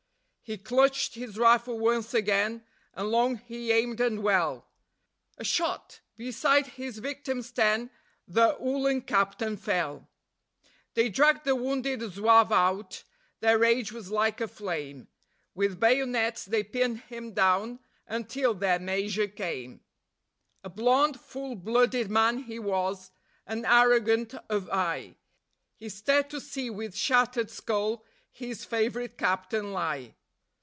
He clutched his rifle once again, and long he aimed and well. ... A shot! Beside his victims ten the Uhlan Captain fell. They dragged the wounded Zouave out; their rage was like a flame. With bayonets they pinned him down, until their Major came. A blonde, full blooded man he was, and arrogant of eye; He stared to see with shattered skull his favourite Captain lie.